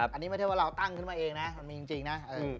อันนี้ไม่ใช่ว่าเราตั้งขึ้นมาเองนะมันมีจริงนะ